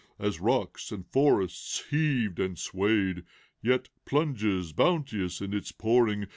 As rocks and forests heaved and swayed, Yet plunges, bounteous in its pouring.